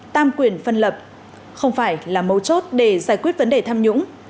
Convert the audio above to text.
tam quyền phân lập không phải là mấu chốt để giải quyết vấn đề tham nhũng